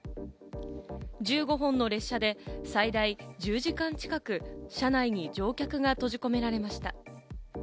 １５本の列車で最大１０時間近く車内に乗客が閉じ込められました。